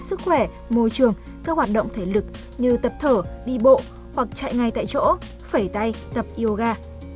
sức khỏe môi trường các hoạt động thể lực như tập thở đi bộ hoặc chạy ngay tại chỗ phẩy tay tập yoga